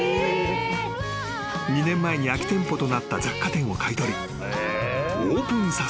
［２年前に空き店舗となった雑貨店を買い取りオープンさせたのだ］